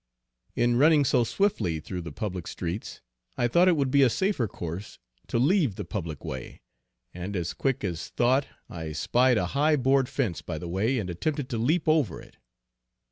In running so swiftly through the public streets, I thought it would be a safer course to leave the public way, and as quick as thought I spied a high board fence by the way and attempted to leap over it.